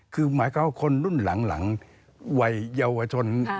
คือหมายความว่าคนรุ่นหลังวัยเยาวชน